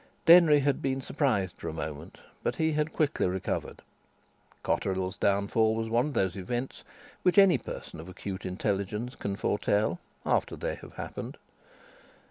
Denry had been surprised for a moment, but he had quickly recovered. Cotterill's downfall was one of those events which any person of acute intelligence can foretell after they have happened.